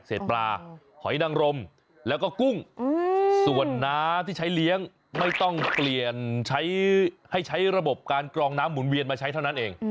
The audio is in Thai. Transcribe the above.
ปลาหอยนังรมแล้วก็กุ้งส่วนน้ำที่ใช้เลี้ยงไม่ต้องเปลี่ยนใช้ให้ใช้ระบบการกรองน้ำหุ่นเวียนมาใช้เท่านั้นเอง